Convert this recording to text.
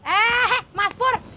eh mas pur